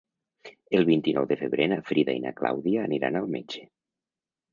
El vint-i-nou de febrer na Frida i na Clàudia aniran al metge.